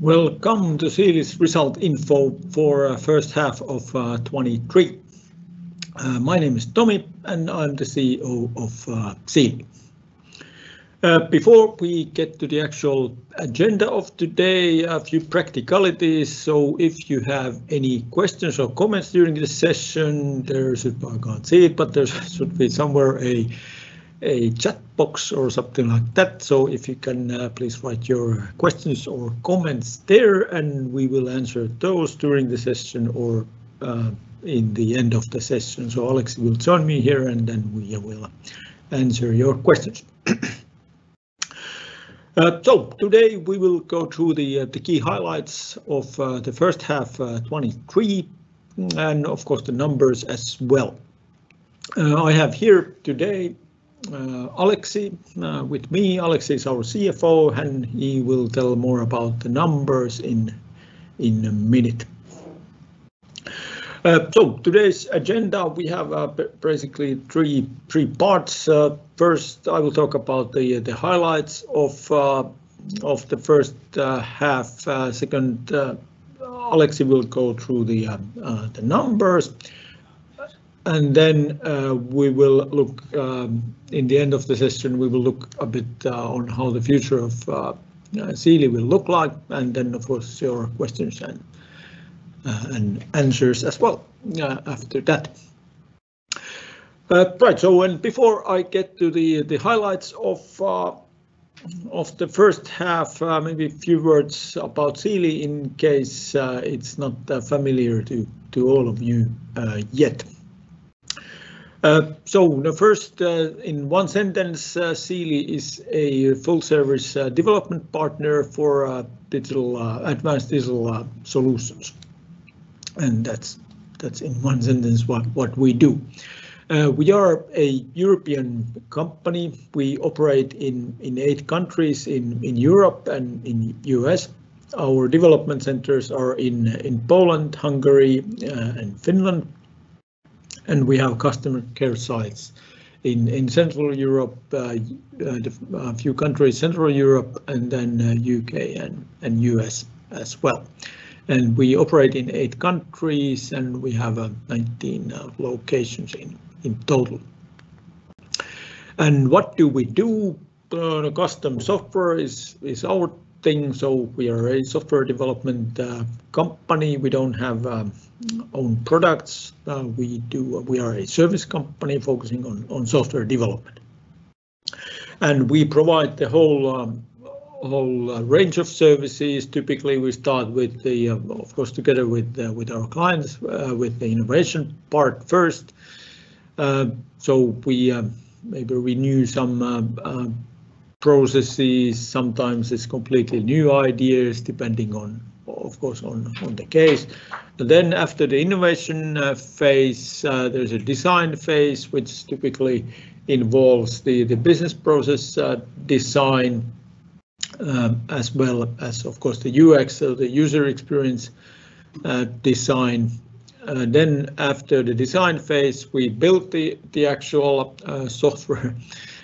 Welcome to Siili's Result Info for first half of 2023. My name is Tomi, and I'm the CEO of Siili. Before we get to the actual agenda of today, a few practicalities. If you have any questions or comments during this session, there should... I can't see it, but there should be somewhere a, a chat box or something like that. If you can, please write your questions or comments there, and we will answer those during the session or in the end of the session. Aleksi will join me here, and then we will answer your questions. Today we will go through the key highlights of the first half 2023, and of course, the numbers as well. I have here today Aleksi with me. Aleksi is our CFO, and he will tell more about the numbers in a minute. Today's agenda, we have basically three parts. First, I will talk about the highlights of the first half. Second, Aleksi will go through the numbers. Then, in the end of the session, we will look a bit on how the future of Siili will look like. Then, of course, your questions and answers as well, after that. Right. Before I get to the highlights of the first half, maybe a few words about Siili in case it's not that familiar to all of you yet. So the first, in one sentence, Siili is a full-service development partner for digital, advanced digital solutions, and that's, that's in one sentence what, what we do. We are a European company. We operate in eight countries in Europe and in U.S. Our development centers are in Poland, Hungary, and Finland, and we have customer care sites in Central Europe, a few countries, Central Europe, then U.K., and U.S. as well. We operate in eight countries, and we have 19 locations in total. What do we do? Custom software is, is our thing, so we are a software development company. We don't have own products. Uh, we do- We are a service company focusing on, on software development, and we provide the whole, um, whole, uh, range of services. Typically, we start with the, uh, of course, together with, uh, with our clients, uh, with the innovation part first.... uh, so we, uh, maybe renew some, uh, uh, processes, sometimes it's completely new ideas, depending on, of course, on, on the case. But then after the innovation, uh, phase, uh, there's a design phase, which typically involves the, the business process, uh, design, um, as well as, of course, the UX, so the user experience, uh, design. Uh, then after the design phase, we build the, the actual, uh, software,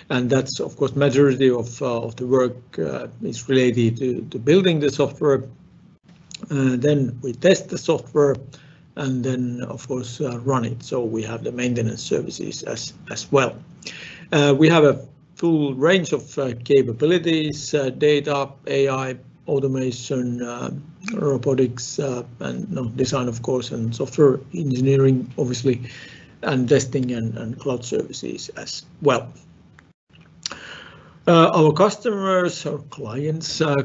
and that's of course, majority of, uh, of the work, uh, is related to, to building the software. We test the software, and then, of course, run it, so we have the maintenance services as well. We have a full range of capabilities: data, AI, automation, robotics, you know, design, of course, software engineering, obviously, testing, and cloud services as well. Our customers, our clients, our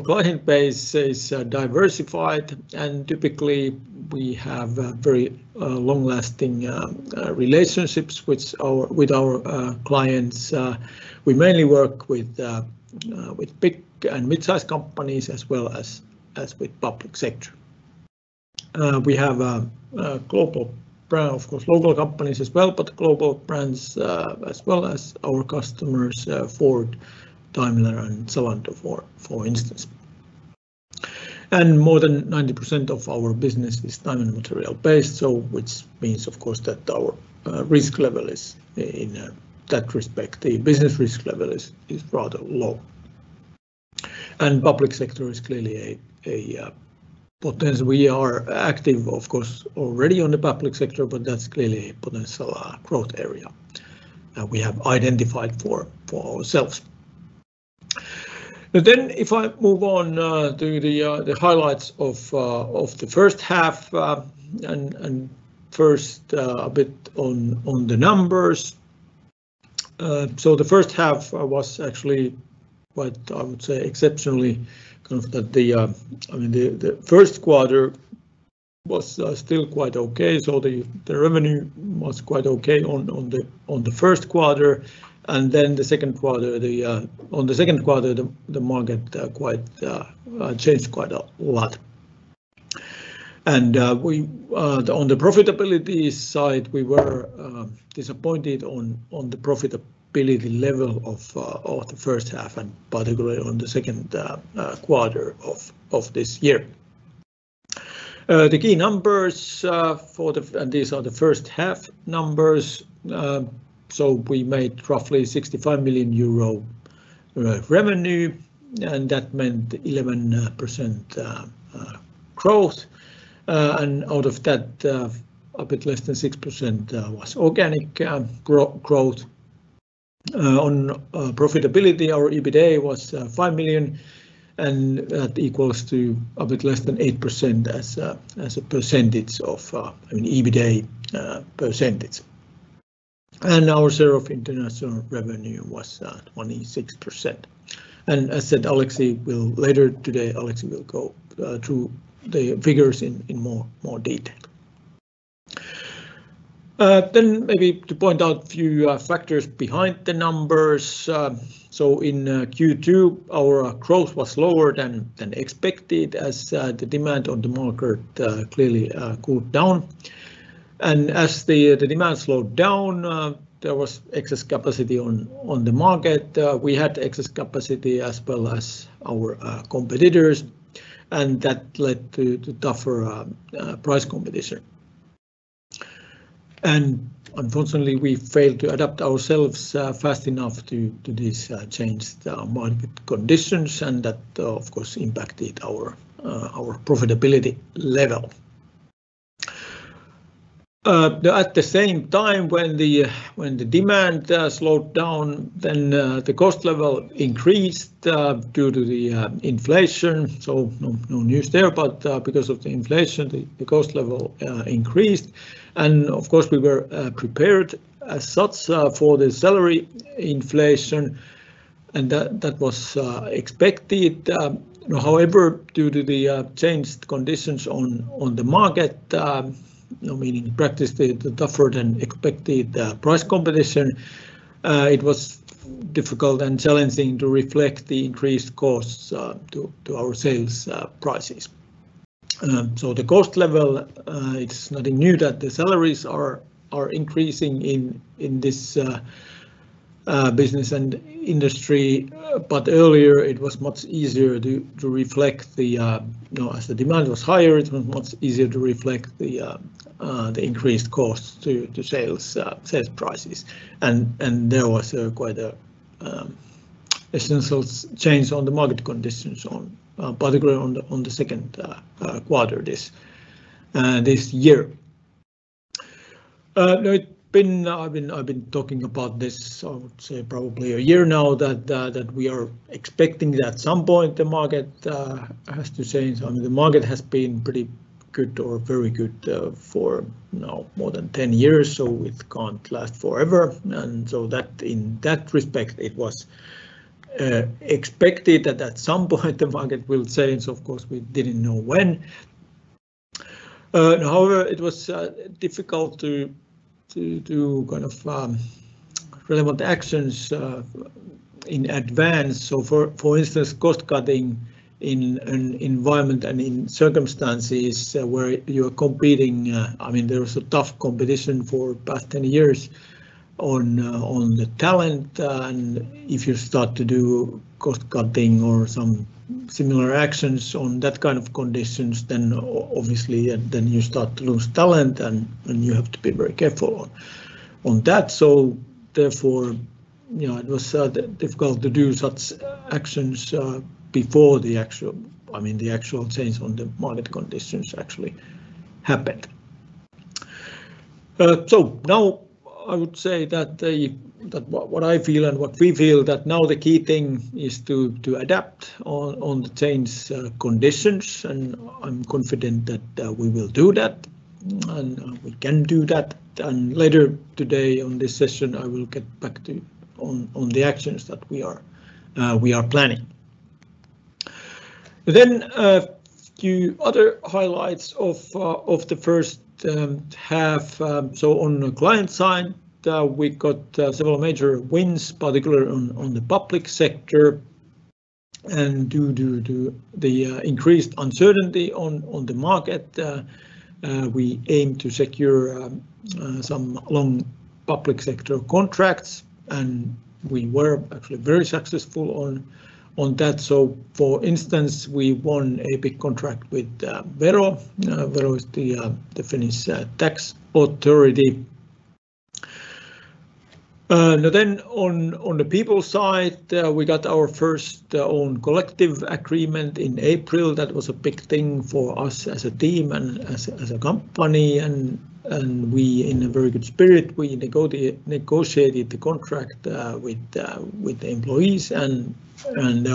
client base is diversified, and typically, we have very long-lasting relationships with our clients. We mainly work with big and mid-sized companies as well as with public sector. We have a global brand, of course, local companies as well, global brands as well as our customers, Ford, Daimler, and Zalando, for instance. More than 90% of our business is time and material based, so which means, of course, that our risk level is in that respect, the business risk level is rather low. Public sector is clearly a, a potential. We are active, of course, already on the public sector, but that's clearly a potential growth area that we have identified for ourselves. Then if I move on to the highlights of the first half, and first a bit on the numbers. So the first half was actually quite, I would say, exceptionally kind of that the... I mean, the first quarter was still quite okay, so the revenue was quite okay on the first quarter, and then the second quarter, the on the second quarter, the market quite changed quite a lot. We, on the profitability side, we were disappointed on the profitability level of the first half, and particularly on the second quarter of this year. The key numbers. These are the first half numbers. We made roughly 65 million euro revenue, and that meant 11% growth, and out of that, a bit less than 6% was organic growth. On profitability, our EBITDA was 5 million, and that equals to a bit less than 8% as a percentage of, I mean, EBITDA percentage. Our share of international revenue was 26%. As said, Aleksi will later today, Aleksi will go through the figures in more detail. Maybe to point out a few factors behind the numbers. In Q2, our growth was lower than expected, as the demand on the market clearly cooled down. As the demand slowed down, there was excess capacity on the market. We had excess capacity as well as our competitors, and that led to tougher price competition. Unfortunately, we failed to adapt ourselves fast enough to, to this changed market conditions, and that, of course, impacted our our profitability level. At the same time, when the, when the demand slowed down, then the cost level increased due to the inflation. No, no news there, but because of the inflation, the cost level increased, and of course, we were prepared as such for the salary inflation, and that, that was expected. However, due to the changed conditions on, on the market, you know, meaning in practice, the tougher than expected price competition, it was difficult and challenging to reflect the increased costs to, to our sales prices. The cost level, it's nothing new that the salaries are increasing in this business and industry. Earlier, it was much easier to reflect the... You know, as the demand was higher, it was much easier to reflect the increased costs to sales sales prices. There was quite a essential change on the market conditions on particularly on the second quarter this year. It's been, I've been, I've been talking about this, I would say, probably a year now, that we are expecting that at some point, the market has to change. I mean, the market has been pretty good or very good for now more than 10 years, so it can't last forever. So that, in that respect, it was expected that at some point, the market will change, of course, we didn't know when. However, it was difficult to, to do kind of, relevant actions in advance. For, for instance, cost cutting in an environment and in circumstances where you're competing... I mean, there was a tough competition for the past 10 years on the talent, and if you start to do cost cutting or some similar actions on that kind of conditions, then obviously, then you start to lose talent, and, and you have to be very careful on, on that. Therefore, you know, it was difficult to do such actions before the actual- I mean, the actual change on the market conditions actually happened. Uh, so now I would say that, uh, that what, what I feel and what we feel, that now the key thing is to, to adapt on, on the change, uh, conditions, and I'm confident that, uh, we will do that, and, uh, we can do that. And later today on this session, I will get back to on, on the actions that we are, uh, we are planning. Then, a few other highlights of, uh, of the first, um, half. Uh, so on the client side, uh, we got several major wins, particularly on, on the public sector. And due to the increased uncertainty on, on the market, uh, uh, we aimed to secure, uh, some long public sector contracts, and we were actually very successful on, on that. So for instance, we won a big contract with, uh, Verohallinto. Verohallinto is the Finnish tax authority. On the people side, we got our first own collective agreement in April. That was a big thing for us as a team and as a company. We, in a very good spirit, we negotiated, negotiated the contract with the employees, and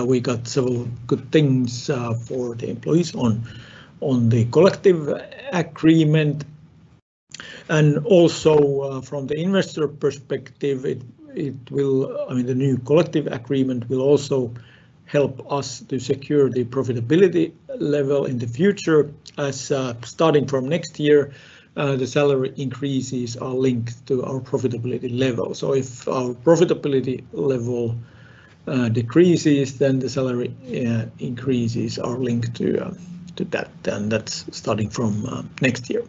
we got several good things for the employees on the collective agreement. Also, from the investor perspective, I mean, the new collective agreement will also help us to secure the profitability level in the future, as starting from next year, the salary increases are linked to our profitability level. If our profitability level decreases, then the salary increases are linked to that, and that's starting from next year.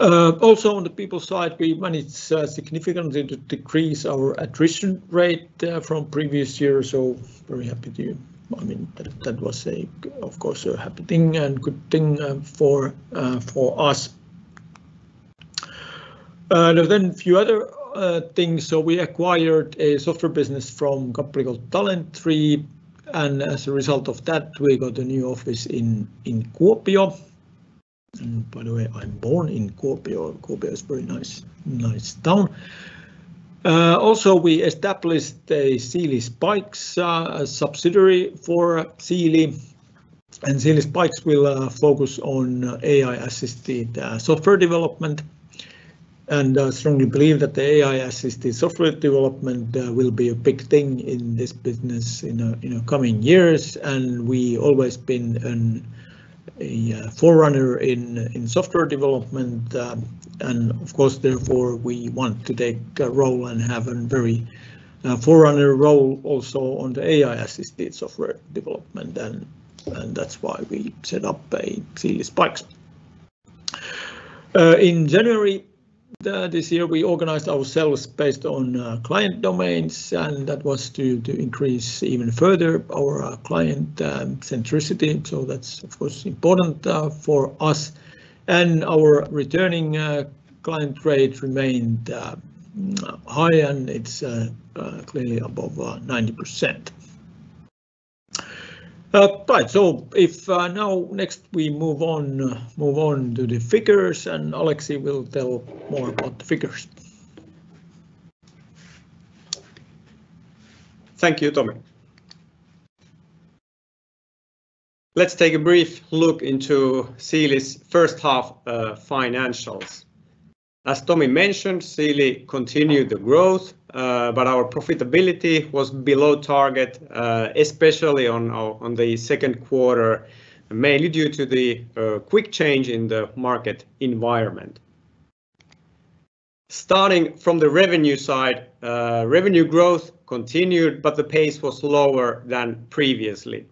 Also on the people side, we managed significantly to decrease our attrition rate from previous years, so very happy to. I mean, that was a, of course, a happy thing and good thing for us. A few other things. We acquired a software business from a company called Talentree, and as a result of that, we got a new office in Kuopio. By the way, I'm born in Kuopio. Kuopio is a very nice, nice town. Also we established a Siili Spaiks subsidiary for Siili, and Siili Spaiks will focus on AI-assisted software development. I strongly believe that the AI-assisted software development will be a big thing in this business in the coming years, we always been a forerunner in software development, and of course, therefore, we want to take a role and have a very forerunner role also on the AI-assisted software development, and that's why we set up a Siili Spaiks. In January this year, we organized ourselves based on client domains, and that was to increase even further our client centricity, so that's of course important for us. Our returning client rate remained high, and it's clearly above 90%. Right, so if now next we move on, move on to the figures, Aleksi will tell more about the figures. Thank you, Tomi. Let's take a brief look into Siili's first half financials. As Tomi mentioned, Siili continued the growth, but our profitability was below target, especially on the second quarter, mainly due to the quick change in the market environment. Starting from the revenue side, revenue growth continued, but the pace was lower than previously.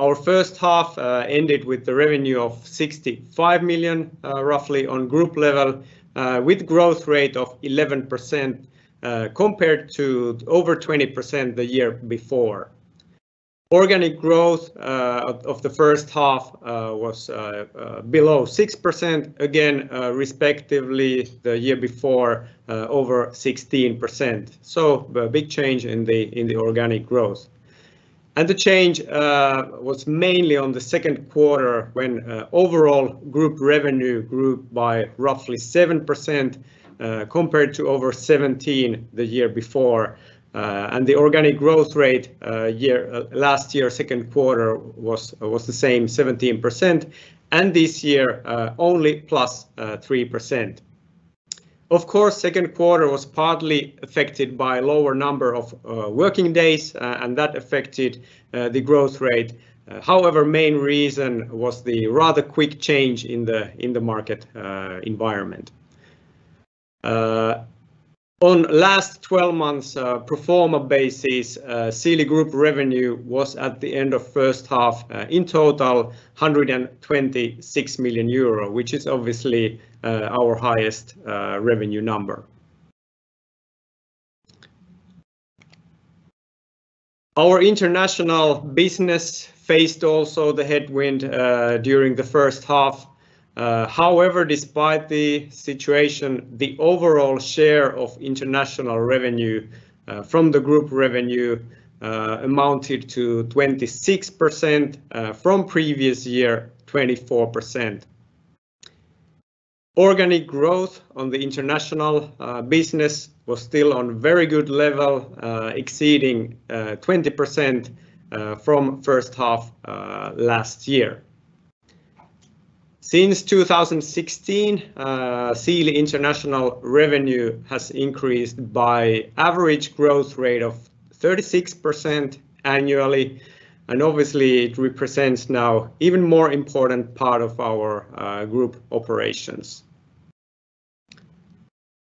Our first half ended with the revenue of 65 million, roughly on group level, with growth rate of 11%, compared to over 20% the year before. Organic growth of the first half was below 6%, again, respectively, the year before, over 16%, so a big change in the organic growth. The change was mainly on the second quarter, when overall group revenue grew by roughly 7%, compared to over 17 the year before, and the organic growth rate year last year second quarter, was the same, 17%, and this year only +3%. Of course, second quarter was partly affected by lower number of working days, and that affected the growth rate. However, main reason was the rather quick change in the, in the market environment. On last 12 months, pro forma basis, Siili Group revenue was at the end of first half, in total, 126 million euro, which is obviously our highest revenue number. Our international business faced also the headwind during the first half. However, despite the situation, the overall share of international revenue from the group revenue amounted to 26% from previous year, 24%. Organic growth on the international business was still on very good level, exceeding 20% from first half last year. Since 2016, Siili International revenue has increased by average growth rate of 36% annually, and obviously it represents now even more important part of our group operations.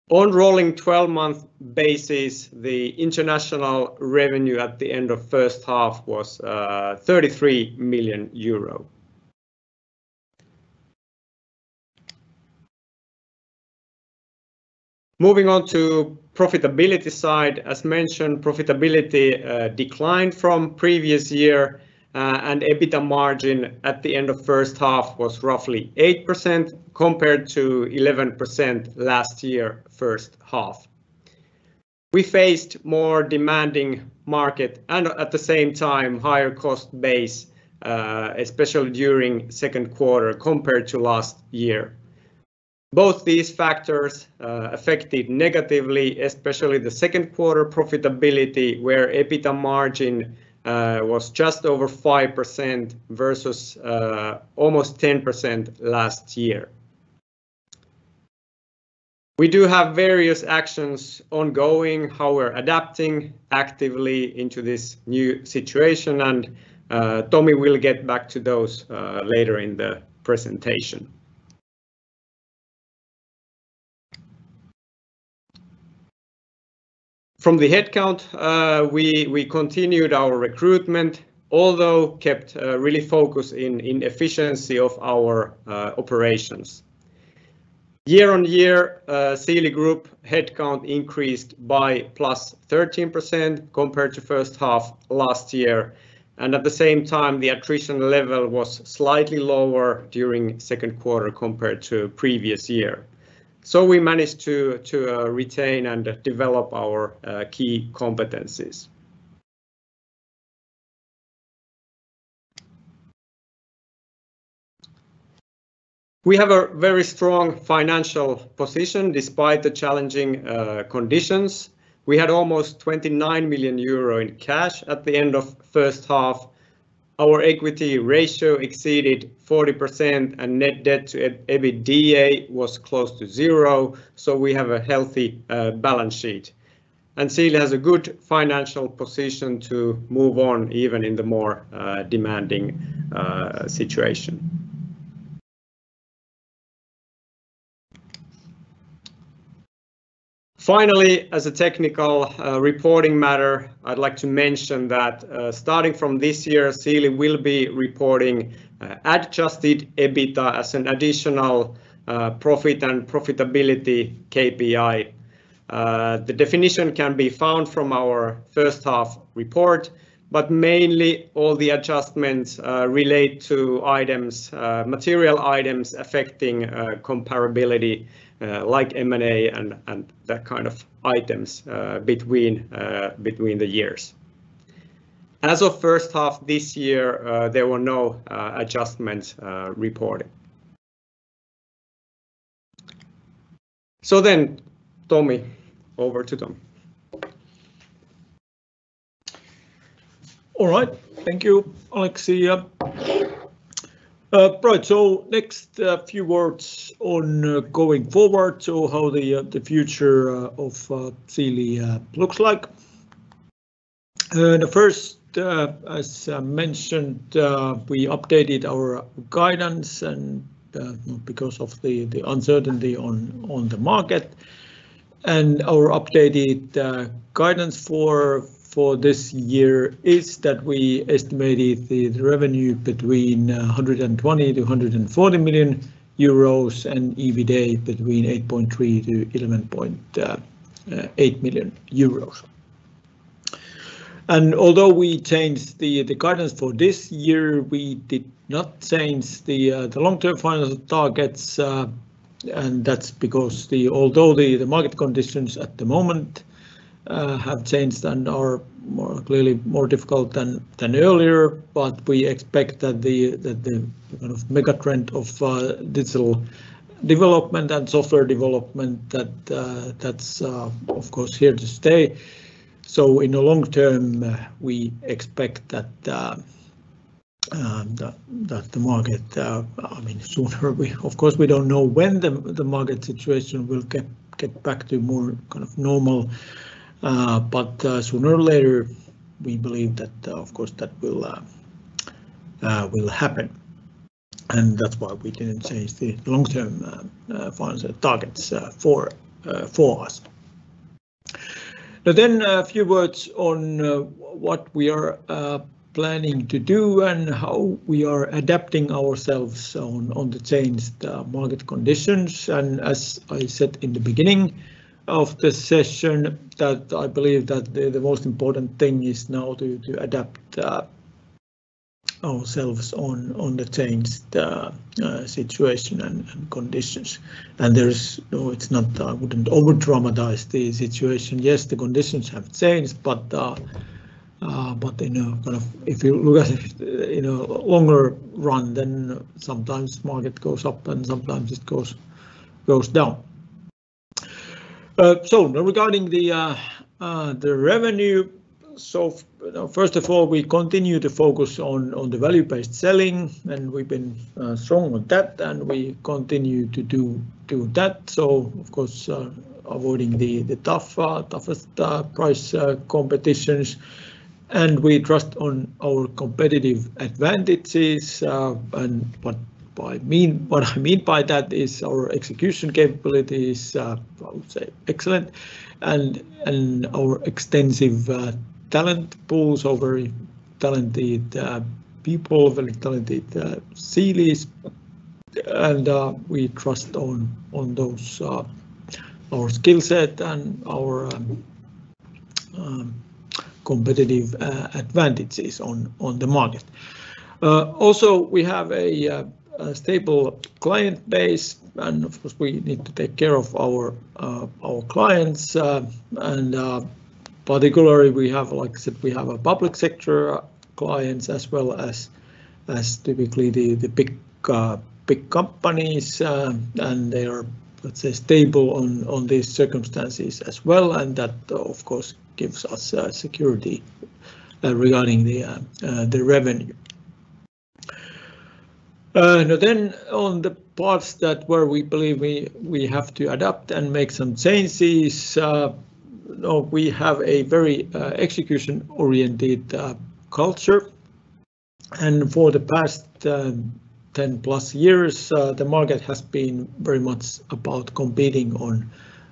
On rolling 12-month basis, the international revenue at the end of first half was 33 million euro. Moving on to profitability side, as mentioned, profitability declined from previous year, and EBITDA margin at the end of first half was roughly 8% compared to 11% last year, first half. We faced more demanding market and at the same time, higher cost base, especially during second quarter compared to last year. Both these factors affected negatively, especially the second quarter profitability, where EBITDA margin was just over 5% versus almost 10% last year. We do have various actions ongoing, how we're adapting actively into this new situation, and Tomi will get back to those later in the presentation. From the headcount, we, we continued our recruitment, although kept really focused in, in efficiency of our operations. Year on year, Siili Group headcount increased by +13% compared to first half last year, and at the same time, the attrition level was slightly lower during second quarter compared to previous year. We managed to, to retain and develop our key competencies. We have a very strong financial position, despite the challenging conditions. We had almost 29 million euro in cash at the end of first half. Our equity ratio exceeded 40%, and net debt to EBITDA was close to zero, so we have a healthy balance sheet. Siili has a good financial position to move on, even in the more demanding situation. Finally, as a technical reporting matter, I'd like to mention that, starting from this year, Siili will be reporting adjusted EBITDA as an additional profit and profitability KPI. The definition can be found from our first half report, but mainly all the adjustments relate to items, material items affecting comparability, like M&A and that kind of items between the years. As of first half this year, there were no adjustments reported. Tomi, over to Tomi. All right. Thank you, Aleksi. Right, so next, a few words on going forward, so how the future of Siili looks like. The first, as I mentioned, we updated our guidance and because of the uncertainty on the market, our updated guidance for this year is that we estimated the revenue between 120 million-140 million euros, and EBITDA between 8.3 million-11.8 million euros. And although we changed the guidance for this year, we did not change the long-term financial targets, and that's because the... Although the, the market conditions at the moment have changed and are more clearly more difficult than, than earlier. We expect that the, that the kind of mega trend of digital development and software development, that that's, of course, here to stay. In the long term, we expect that that the market, I mean, of course, we don't know when the, the market situation will get, get back to more kind of normal, but sooner or later, we believe that, of course, that will will happen. That's why we didn't change the long-term funds targets for for us. A few words on what we are planning to do and how we are adapting ourselves on on the changed market conditions. As I said in the beginning of the session, that I believe that the, the most important thing is now to, to adapt ourselves on, on the changed situation and conditions. There is... No, it's not, I wouldn't over-dramatize the situation. Yes, the conditions have changed, but, but, you know, kind of, if you look at it, you know, longer run, then sometimes market goes up, and sometimes it goes, goes down. So now regarding the revenue, so first of all, we continue to focus on, on the value-based selling, and we've been strong on that, and we continue to do, do that. Of course, avoiding the tough, toughest price competitions. We trust on our competitive advantages, and what I mean, what I mean by that is our execution capability is, I would say excellent, and, and our extensive talent pools are very talented people, very talented Siilis. We trust on, on those, our skill set and our, competitive advantages on, on the market. Also, we have a, a stable client base, and of course, we need to take care of our, our clients, and, particularly, we have, like I said, we have a public sector clients as well as, as typically the, the big, big companies, and they are, let's say, stable on, on these circumstances as well, and that, of course, gives us security regarding the revenue. Now, on the parts that where we believe we, we have to adapt and make some changes, we have a very execution-oriented culture, and for the past 10+ years, the market has been very much about competing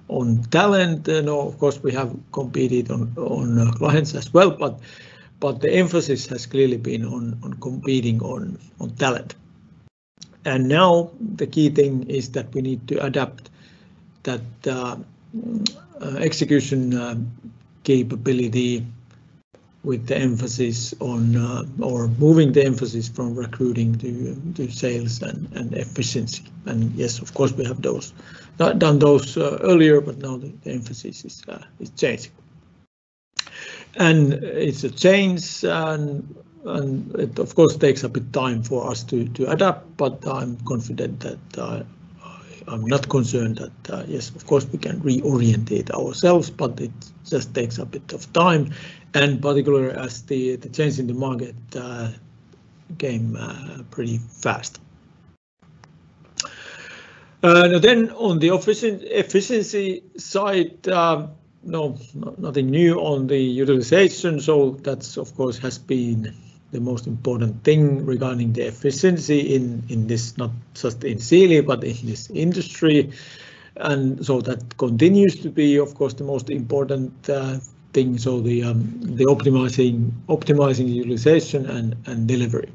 on talent. Of course, we have competed on clients as well, the emphasis has clearly been on competing on talent. Now, the key thing is that we need to adapt that execution capability with the emphasis on or moving the emphasis from recruiting to sales and efficiency. Yes, of course, we have those. Not done those earlier, but now the emphasis is changing. It's a change, and, and it, of course, takes a bit time for us to, to adapt, but I'm confident that, I'm not concerned that... Yes, of course, we can reorientate ourselves, but it just takes a bit of time, and particularly as the, the change in the market, came, pretty fast. Now then, on the efficiency side, no, nothing new on the utilization, so that, of course, has been the most important thing regarding the efficiency in, in this, not just in Siili, but in this industry. So that continues to be, of course, the most important thing, so the, the optimizing the utilization and, and delivery.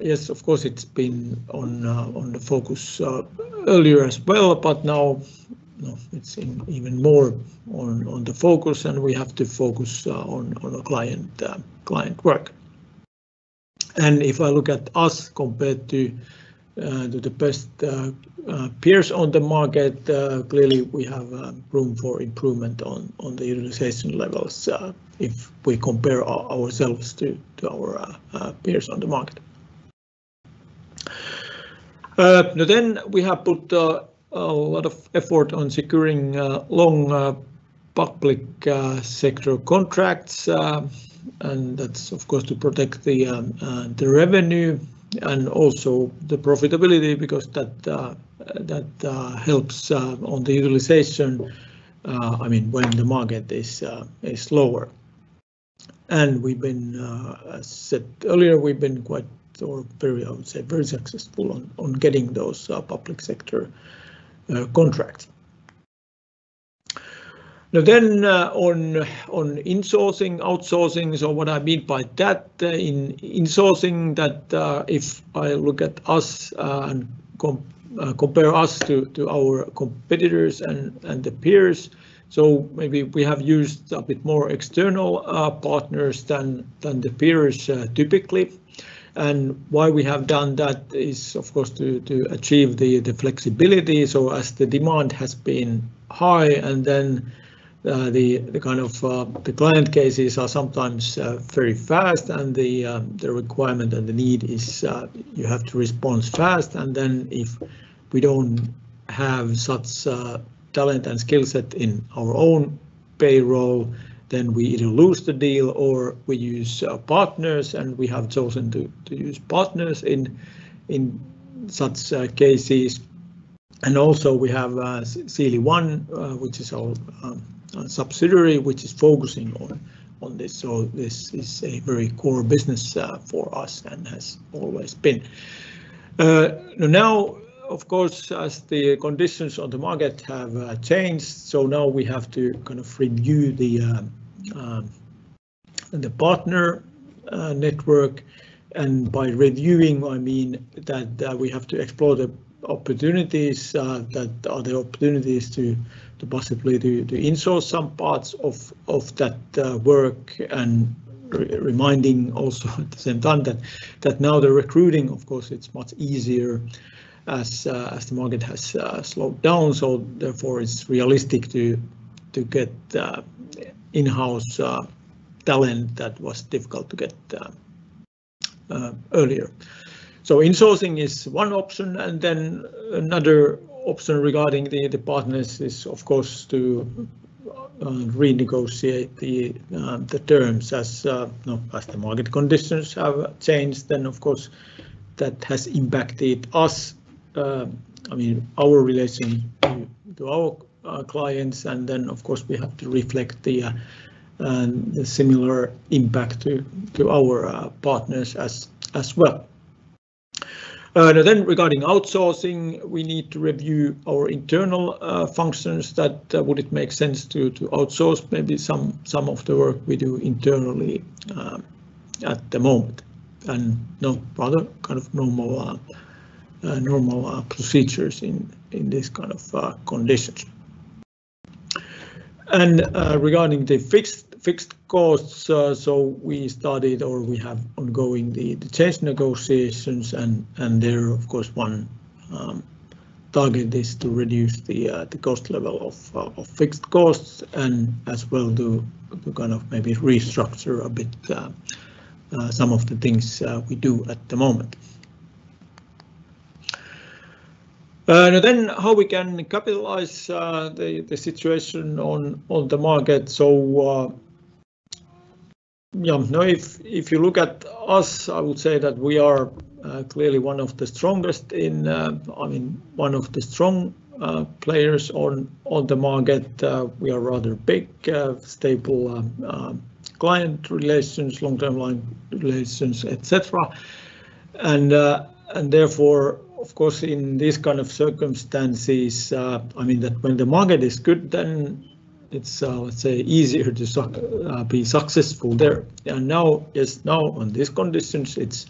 Yes, of course, it's been on, on the focus, earlier as well, but now, now it's even more on, on the focus, and we have to focus, on, on the client, client work. If I look at us compared to, to the best, peers on the market, clearly, we have, room for improvement on, on the utilization levels, if we compare ourselves to, to our, peers on the market. Now then, we have put, a lot of effort on securing, long, public, sector contracts, and that's, of course, to protect the, the revenue and also the profitability, because that, that, helps, on the utilization, I mean, when the market is, is lower. We've been, as said earlier, we've been quite or very, I would say, very successful on getting those public sector contracts. Then, on insourcing, outsourcing, what I mean by that, in insourcing, that, if I look at us, and compare us to our competitors and the peers, maybe we have used a bit more external partners than the peers typically. Why we have done that is, of course, to achieve the flexibility. As the demand has been high, then the kind of the client cases are sometimes very fast, and the requirement and the need is, you have to respond fast, and then if we don't-... have such talent and skill set in our own payroll, then we either lose the deal or we use partners, and we have chosen to use partners in such cases. Also we have Siili One, which is our subsidiary, which is focusing on this. This is a very core business for us and has always been. Of course, as the conditions on the market have changed, so now we have to kind of review the partner network. By reviewing, I mean that we have to explore the opportunities, that are there opportunities to possibly to insource some parts of that work. Re- reminding also at the same time that, that now the recruiting, of course, it's much easier as the market has slowed down. Therefore it's realistic to get in-house talent that was difficult to get earlier. Insourcing is one option, and then another option regarding the partners is, of course, to renegotiate the terms as you know, as the market conditions have changed. Of course, that has impacted us, I mean, our relation to our clients, and then, of course, we have to reflect the similar impact to our partners as well. Regarding outsourcing, we need to review our internal functions that would it make sense to outsource maybe some of the work we do internally at the moment. No rather kind of normal procedures in this kind of conditions. Regarding the fixed costs, so we started or we have ongoing the change negotiations, and there, of course, one target is to reduce the cost level of fixed costs and as well do kind of maybe restructure a bit some of the things we do at the moment. Then how we can capitalize the situation on the market? Yeah, now if you look at us, I would say that we are clearly one of the strongest in... I mean, one of the strong players on the market. We are rather big, stable client relations, long-term client relations, et cetera. Therefore, of course, in these kind of circumstances, I mean, that when the market is good, then it's, let's say, easier to be successful there. Now, yes, now on these conditions, it's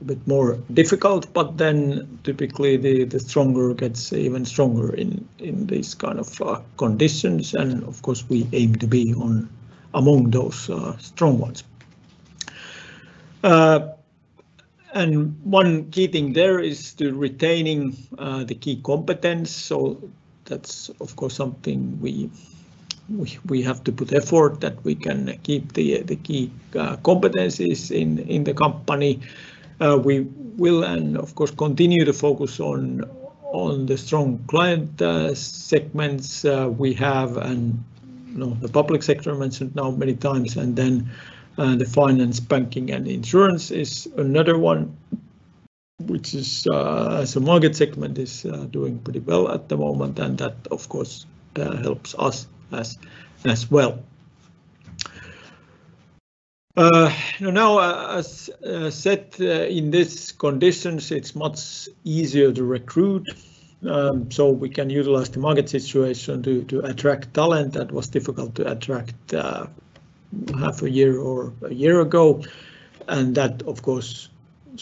a bit more difficult, but then typically the stronger gets even stronger in these kind of conditions. Of course, we aim to be among those strong ones. One key thing there is the retaining the key competence. That's of course, something we, we, we have to put effort that we can keep the key competencies in the company. We will and of course, continue to focus on, on the strong client, segments, we have and, you know, the public sector I mentioned now many times, and then, the finance, banking and insurance is another one, which is, as a market segment, is, doing pretty well at the moment, and that, of course, helps us as, as well. Now, as said, in this conditions, it's much easier to recruit, so we can utilize the market situation to, to attract talent that was difficult to attract, half a year or a year ago. And that, of course...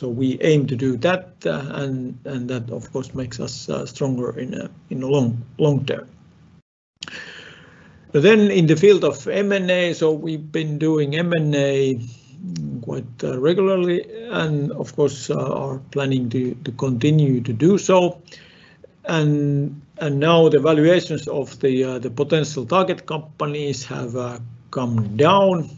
We aim to do that, and, and that, of course, makes us stronger in, in the long, long term. In the field of M&A, so we've been doing M&A quite regularly and of course, are planning to continue to do so. Now the valuations of the potential target companies have come down.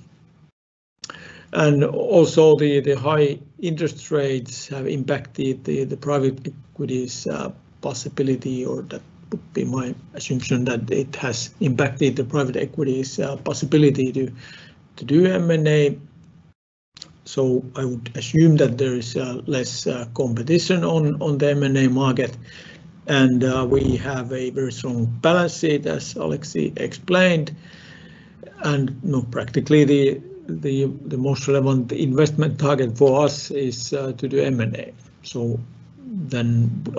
Also the high interest rates have impacted the private equities, possibility, or that would be my assumption, that it has impacted the private equities, possibility to do M&A. I would assume that there is less competition on the M&A market, and we have a very strong balance sheet, as Aleksi explained. You know, practically the most relevant investment target for us is to do M&A.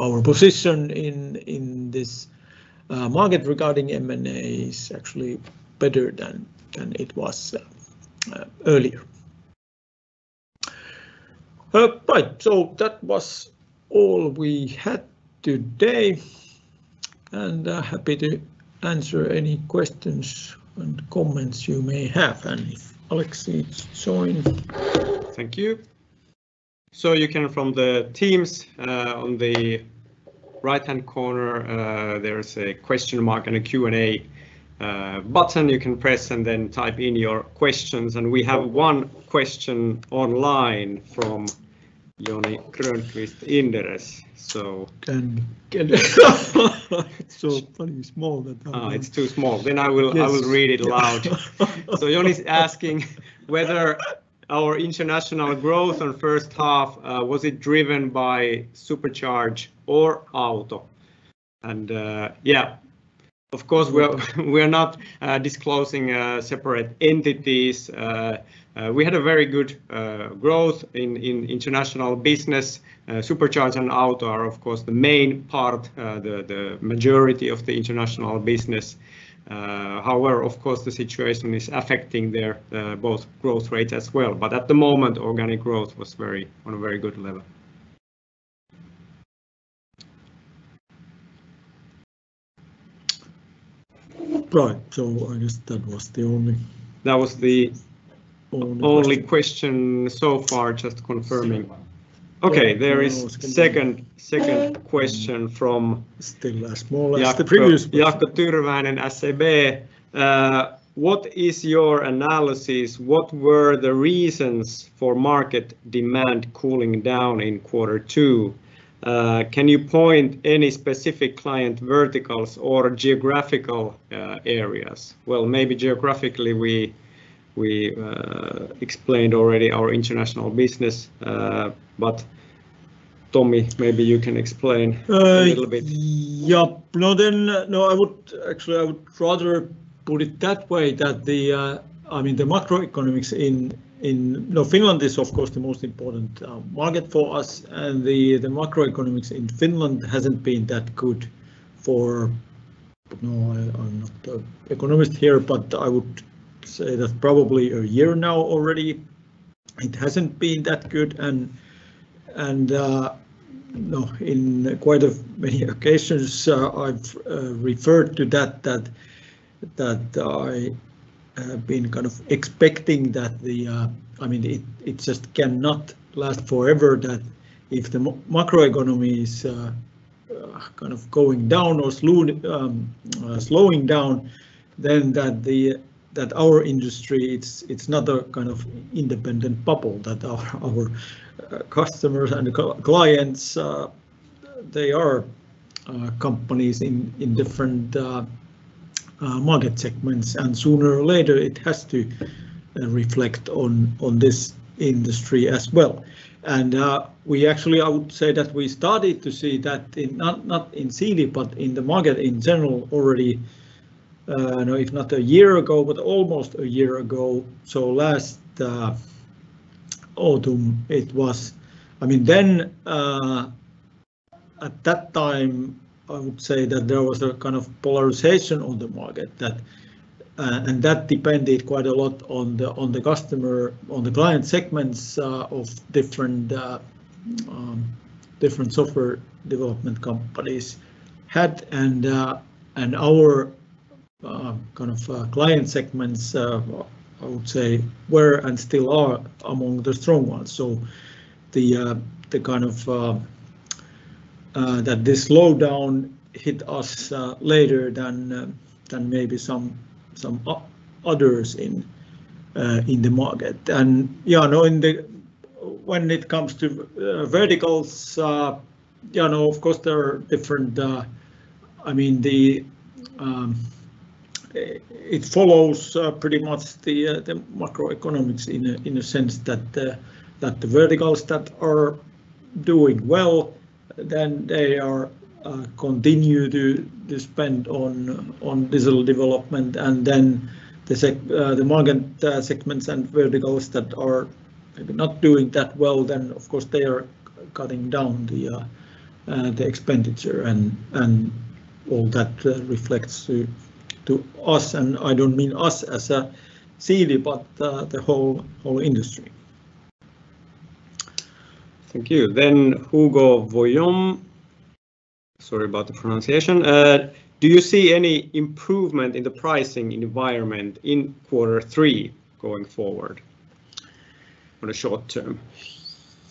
Our position in this market regarding M&A is actually better than it was earlier. Right. That was all we had today, and happy to answer any questions and comments you may have. Aleksi, join. Thank you. You can from the teams, on the right-hand corner, there is a question mark and a Q&A button you can press and then type in your questions. We have one question online Joni Grönqvist, Inderes. Can it's so funny small that- It's too small. I will. Yes... I will read it aloud. Joni's asking whether our international growth on first half was it driven by Supercharge or Auto? Yeah, of course, we're, we're not disclosing separate entities. We had a very good growth in international business. Supercharge and Auto are, of course, the main part, the majority of the international business. However, of course, the situation is affecting their both growth rate as well. At the moment, organic growth was on a very good level. Right. I guess that was. That was. Only question. only question so far, just confirming. Still one. Okay, there is second question from. Still as small as the previous one.... Jaakko Tyrväinen, SEB. What is your analysis? What were the reasons for market demand cooling down in quarter two? Can you point any specific client verticals or geographical areas? Well, maybe geographically, we, we, explained already our international business. Tomi, maybe you can explain- Uh... a little bit. Yeah. No, then, no, I would actually, I would rather put it that way, that the, I mean, the macroeconomics in No, Finland is of course the most important, market for us, and the, the macroeconomics in Finland hasn't been that good for, no, I, I'm not the economist here, but I would say that probably one year now already, it hasn't been that good. No, in quite a many occasions, I've, referred to that, that, that I have been kind of expecting that the... I mean, it, it just cannot last forever, that if the macroeconomy is kind of going down or slowing down, then that our industry, it's, it's not a kind of independent bubble, that our, our customers and clients, they are companies in different market segments, and sooner or later it has to reflect on, on this industry as well. We actually, I would say that we started to see that in not, not in Siili, but in the market in general already, no, if not one year ago, but almost one year ago, so last autumn it was. I mean, then, at that time, I would say that there was a kind of polarization on the market that, and that depended quite a lot on the, on the customer, on the client segments, of different, different software development companies had. Our kind of client segments, I would say were, and still are, among the strong ones. The kind of that this slowdown hit us later than than maybe some, some others in the market. Yeah, no, in the, when it comes to verticals, you know, of course there are different... I mean, the, it follows pretty much the macroeconomics in a sense that the verticals that are doing well, then they are, continue to spend on digital development, and then the market, segments and verticals that are maybe not doing that well, then of course they are cutting down the expenditure, and all that reflects to us. And I don't mean us as, Siili, but, the whole, whole industry. Thank you. [Hugo Viija], sorry about the pronunciation. Do you see any improvement in the pricing environment in quarter three going forward on the short term?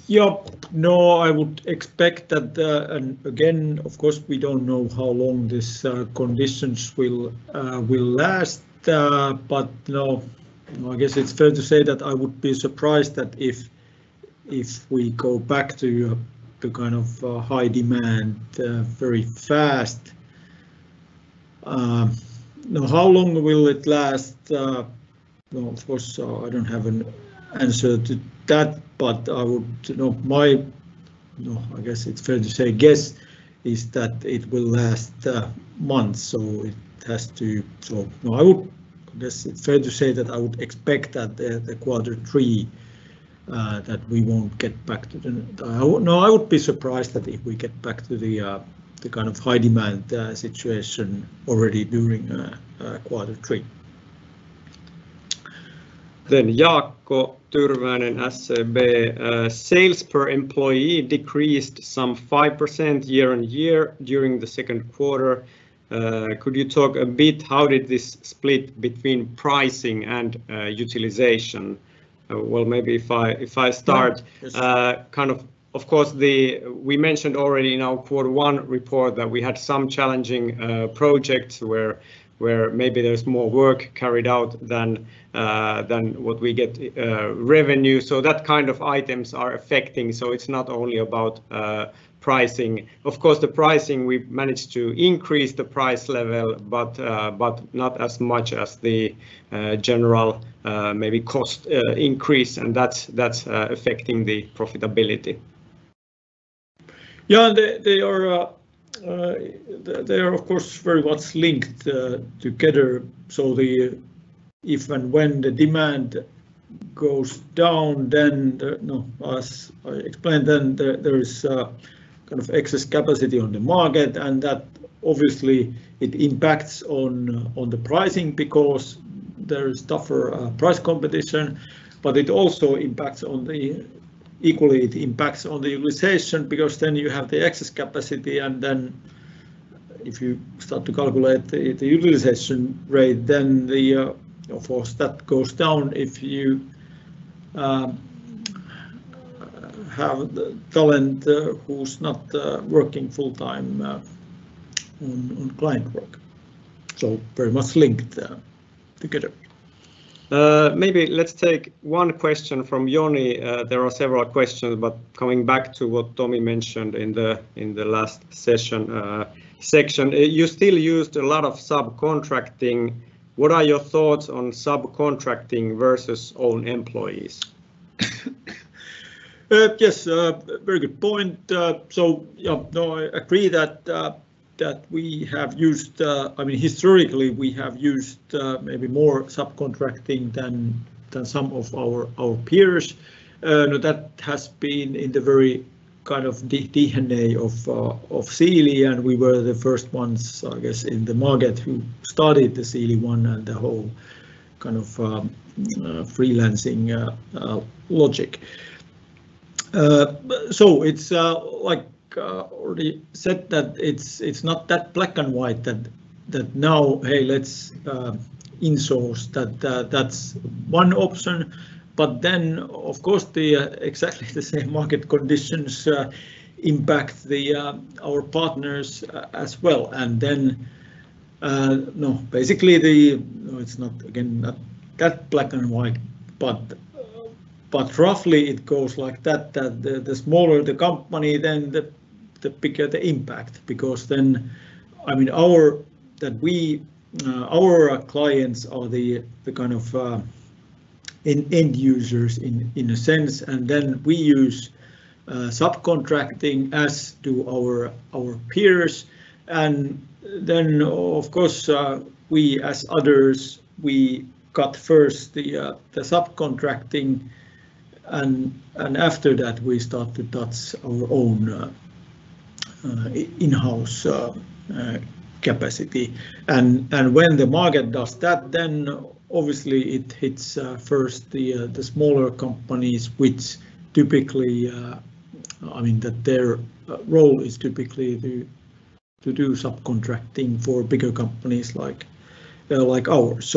Yeah. No, I would expect that, and again, of course, we don't know how long these conditions will will last, but no, I guess it's fair to say that I would be surprised that if, if we go back to the kind of high demand very fast. Now, how long will it last? Well, of course, I don't have an answer to that, but I would... You know, my, I guess it's fair to say guess, is that it will last months, so it has to... No, guess it's fair to say that I would expect that the quarter three that we won't get back to the... No, I would be surprised that if we get back to the kind of high demand situation already during quarter three.... Jaakko Tyrväinen, SEB, sales per employee decreased some 5% year on year during the second quarter. Could you talk a bit, how did this split between pricing and utilization? Well, maybe if I, if I start- Yes. Of course, we mentioned already in our quarter one report that we had some challenging projects where, where maybe there's more work carried out than what we get revenue. That kind of items are affecting, so it's not only about pricing. Of course, the pricing, we managed to increase the price level, but not as much as the general maybe cost increase, and that's, that's affecting the profitability. Yeah, they, they are, they're of course, very much linked together. If and when the demand goes down, then, no, as I explained, then there, there is kind of excess capacity on the market, and that obviously it impacts on, on the pricing because there is tougher price competition. It also impacts on the... Equally, it impacts on the utilization, because then you have the excess capacity, and then if you start to calculate the, the utilization rate, then the, of course, that goes down if you have the talent who's not working full time on, on client work. Very much linked together. Maybe let's take one question from Joni. There are several questions, but coming back to what Tomi mentioned in the last session, section, you still used a lot of subcontracting. What are your thoughts on subcontracting versus own employees? Yes, very good point. Yeah, no, I agree that we have used, I mean, historically, we have used maybe more subcontracting than some of our peers. That has been in the very kind of DNA of Siili, and we were the first ones, I guess, in the market who started the Siili One and the whole kind of freelancing logic. It's like already said that it's not that black and white that now, hey, let's insource that. That's one option, but then, of course, the exactly the same market conditions impact the our partners as well. Then, no, basically the... It's not, again, not that black and white, but roughly it goes like that, that the smaller the company, then the bigger the impact. Because then, I mean, that we, our clients are the kind of end users in a sense, and then we use subcontracting as do our peers. Then, of course, we, as others, we cut first the subcontracting, and after that, we started that's our own in-house capacity. When the market does that, then obviously it hits first the smaller companies, which typically, I mean, that their role is typically to do subcontracting for bigger companies like ours.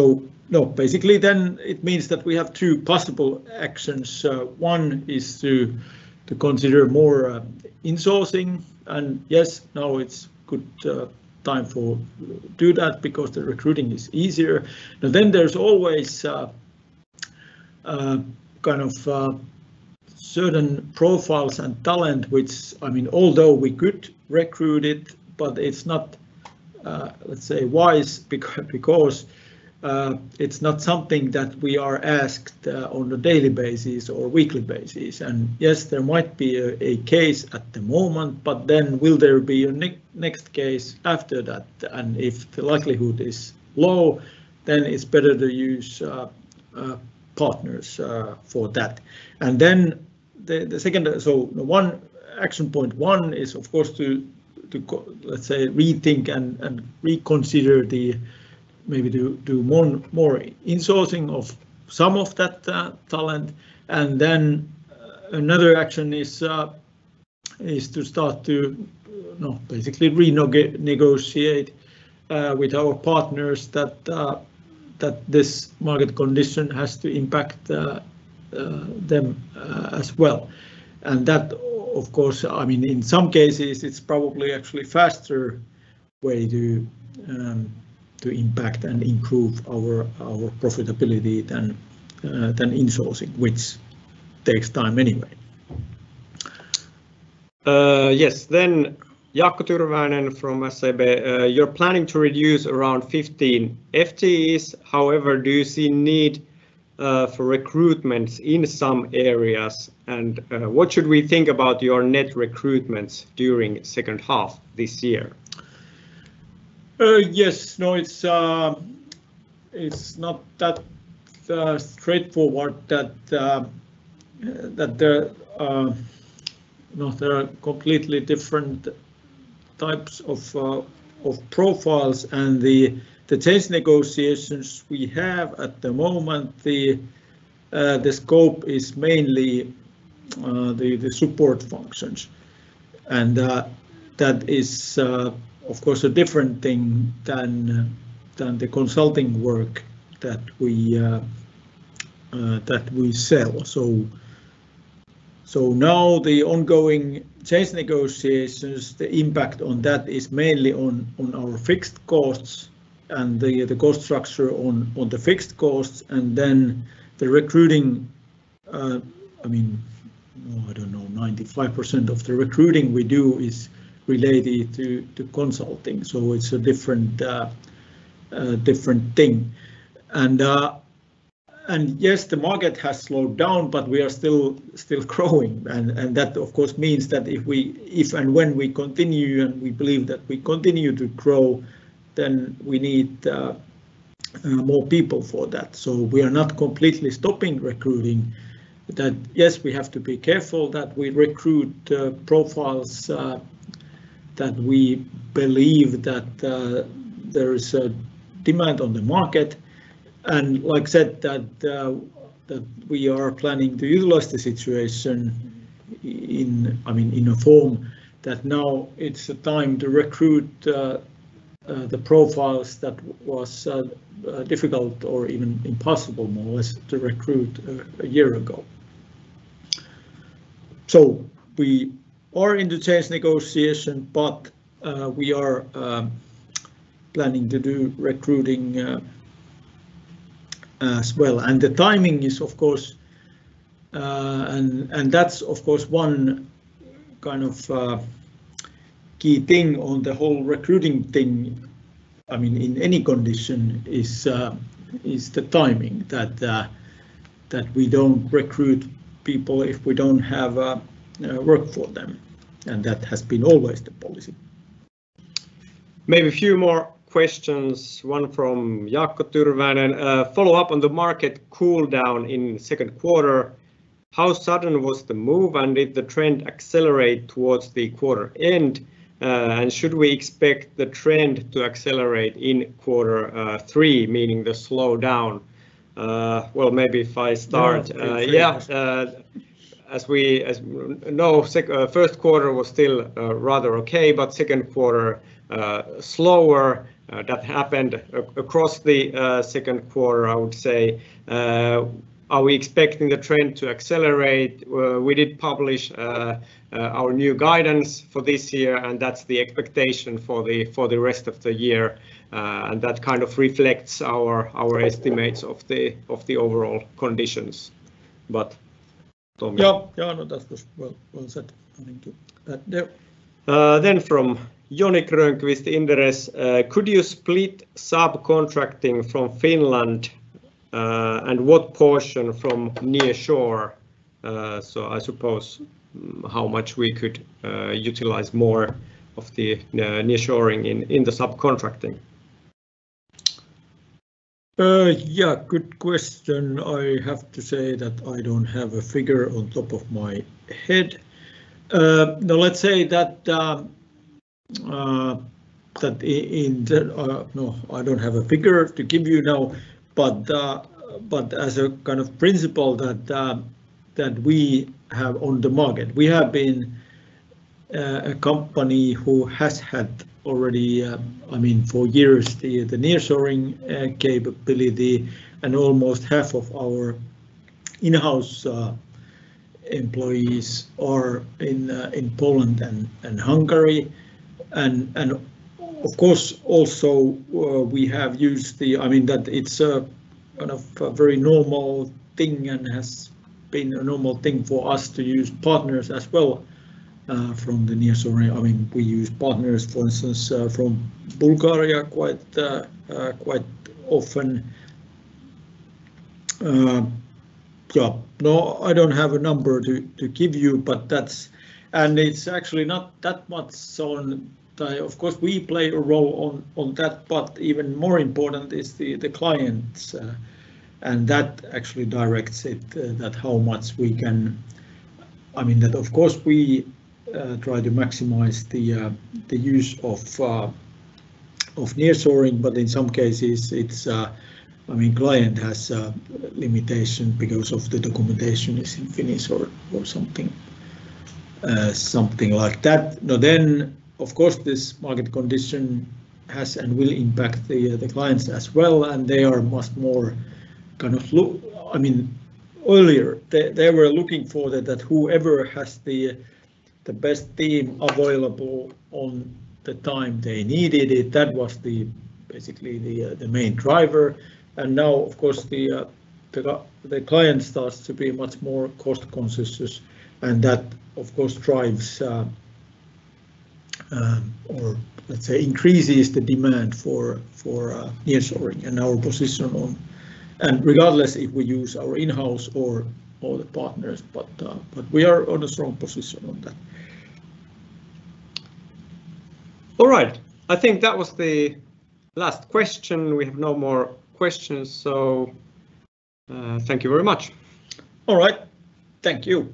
No, basically, then it means that we have two possible actions. One is to, to consider more insourcing, yes, now it's good time for do that because the recruiting is easier. Then there's always kind of certain profiles and talent, which, I mean, although we could recruit it, but it's not, let's say wise, because it's not something that we are asked on a daily basis or weekly basis. Yes, there might be a case at the moment, but then will there be a next case after that? If the likelihood is low, then it's better to use partners for that. Then the, the second, so the one action point one is, of course, to, to go, let's say, rethink and, and reconsider the... maybe to do more, more insourcing of some of that talent. Another action is, is to start to, basically negotiate with our partners that, that this market condition has to impact them as well. That, of course, I mean, in some cases, it's probably actually faster way to impact and improve our, our profitability than than insourcing, which takes time anyway. Yes. Jaakko Tyrväinen from SEB, you're planning to reduce around 15 FTEs. However, do you see need for recruitment in some areas? What should we think about your net recruitments during second half this year? Yes. No, it's, it's not that straightforward that that there are, you know, there are completely different types of profiles and the, the change negotiations we have at the moment, the, the scope is mainly the, the support functions. That is, of course, a different thing than the consulting work that we that we sell. So now the ongoing change negotiations, the impact on that is mainly on, on our fixed costs and the, the cost structure on, on the fixed costs, and then the recruiting, I mean, oh, I don't know, 95% of the recruiting we do is related to, to consulting, so it's a different different thing. Yes, the market has slowed down, but we are still, still growing, and that, of course, means that if and when we continue, and we believe that we continue to grow, then we need more people for that. We are not completely stopping recruiting. That, yes, we have to be careful that we recruit profiles that we believe that there is a demand on the market, and like I said, that we are planning to utilize the situation in, I mean, in a form that now it's a time to recruit the profiles that was difficult or even impossible, more or less, to recruit a year ago. We are in the change negotiation, but we are planning to do recruiting as well. The timing is, of course. That's, of course, one kind of key thing on the whole recruiting thing, I mean, in any condition, is the timing, that we don't recruit people if we don't have work for them, and that has been always the policy. Maybe a few more questions, one from Jaakko Tyrväinen. Follow up on the market cool down in second quarter, how sudden was the move, and did the trend accelerate towards the quarter-end? Should we expect the trend to accelerate in quarter three, meaning the slowdown? Well, maybe if I start... Yeah. Yeah, first quarter was still rather okay, second quarter slower, that happened across the second quarter, I would say. Are we expecting the trend to accelerate? Well, we did publish our new guidance for this year. That's the expectation for the rest of the year. That kind of reflects our, our estimates of the, of the overall conditions. Tomi? Yeah, yeah, no, that's just well, well said. I think that, yeah. From Joni Grönqvist, Inderes, could you split subcontracting from Finland, and what portion from nearshore? I suppose how much we could utilize more of the nearshoring in the subcontracting. Yeah, good question. I have to say that I don't have a figure on top of my head. Now, let's say that, no, I don't have a figure to give you now, but as a kind of principle that we have on the market, we have been a company who has had already, I mean, for years, the nearshoring capability and almost half of our in-house employees are in Poland and Hungary. Of course, also, we have used. I mean, that it's a kind of a very normal thing and has been a normal thing for us to use partners as well from the nearshore area. I mean, we use partners, for instance, from Bulgaria quite quite often. Yeah, no, I don't have a number to give you, but it's actually not that much, so and I... Of course, we play a role on that, but even more important is the clients, and that actually directs it, that how much we can. I mean, of course, we try to maximize the use of nearshoring, but in some cases, it's, I mean, client has a limitation because of the documentation is in Finnish or something, something like that. Now then, of course, this market condition has and will impact the clients as well, and they are much more kind of I mean, earlier, they, they were looking for that, that whoever has the best team available on the time they needed it, that was the, basically the main driver. Now, of course, the client starts to be much more cost-conscious, and that, of course, drives or let's say, increases the demand for for nearshoring. Our position on... Regardless if we use our in-house or, or the partners, but we are on a strong position on that. All right. I think that was the last question. We have no more questions, so, thank you very much. All right. Thank you!